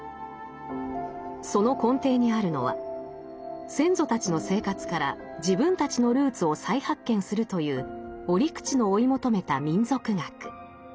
その根底にあるのは先祖たちの生活から自分たちのルーツを再発見するという折口の追い求めた民俗学。